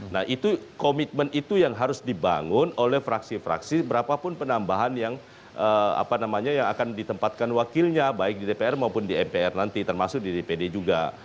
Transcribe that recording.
nah itu komitmen itu yang harus dibangun oleh fraksi fraksi berapapun penambahan yang akan ditempatkan wakilnya baik di dpr maupun di mpr nanti termasuk di dpd juga